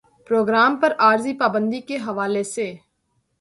programme پر عارضی پابندی کے حوالے سے